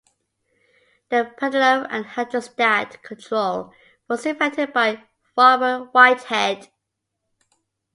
The pendulum and hydrostat control was invented by Robert Whitehead.